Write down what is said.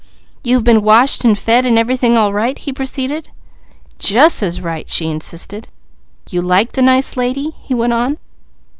"You have been washed and fed and everything all right?" he proceeded. "Jus' as right!" she insisted. "You like the nice lady?" he went on.